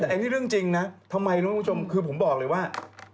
แต่อันนี้เรื่องจริงนะทำไมรู้คุณผู้ชมคือผมบอกเลยว่า